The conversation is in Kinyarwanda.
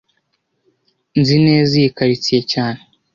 Nzi neza iyi quartier cyane